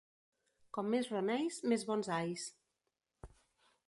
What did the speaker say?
Com més remeis, més bons ais.